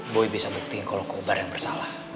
boy bisa buktiin kalau kubar yang bersalah